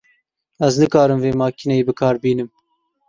Ez nikarim vê makîneyê bi kar bînim.